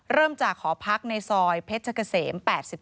เริ่มจากหอพักในซอยเพชรเกษม๘๒